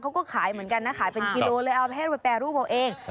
เขาก็ขายเหมือนกันนะขายเป็นกิโลเลยเอาแค่ไปแปรรูปเอาเอง